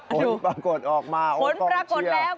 ขนปรากฏออกมาขนปรากฏแล้ว